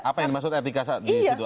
apa yang dimaksud etika disitu